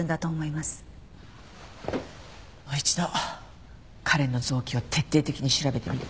もう一度彼の臓器を徹底的に調べてみる。